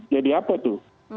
jadi apa itu